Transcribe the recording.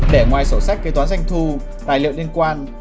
để ngoài sổ sách kế toán doanh thu tài liệu liên quan